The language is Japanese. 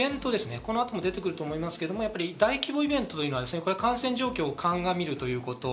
この後、出てくると思いますけど、大規模イベントというのは感染状況を鑑みるということ。